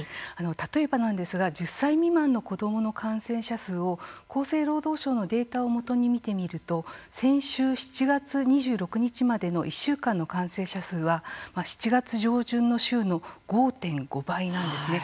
例えばなんですが１０歳未満の子どもの感染者数を厚生労働省のデータをもとに見てみると先週７月２６日までの１週間の感染者数は、７月上旬の週の５．５倍なんですね